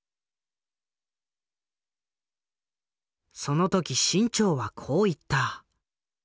その時志ん朝はこう言った。